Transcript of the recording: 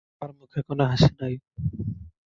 তার মুখে কোনো হাসি নেই!